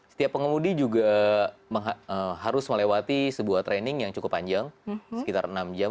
setiap pengemudi juga harus melewati sebuah training yang cukup panjang sekitar enam jam